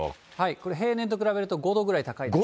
これ平年と比べると５度ぐらい高いですね。